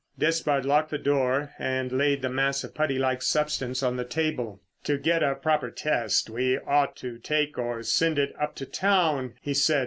Despard locked the door and laid the mass of putty like substance on the table. "To get a proper test we ought to take or send it up to town," he said.